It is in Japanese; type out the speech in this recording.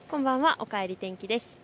おかえり天気です。